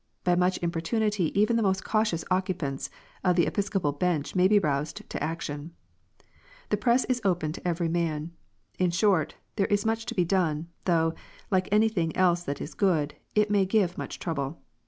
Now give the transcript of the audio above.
By much importunity even the most cautious occupants of the Episcopal bench may be roused to action. The press is open to every man. In short, there is much to be done, though, like anything else that is good, it may give much trouble.